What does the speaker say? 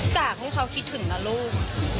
อยากให้เขาคิดถึงนะลูก